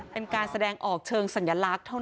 เป็นการแสดงออกเชิงสัญลักษณ์เท่านั้น